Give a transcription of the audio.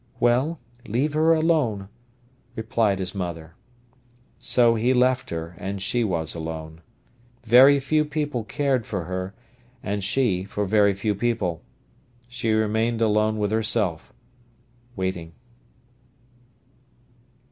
"Well, leave her alone," replied his mother. So he left her, and she was alone. Very few people cared for her, and she for very few people. She remained alone with herself, waiting.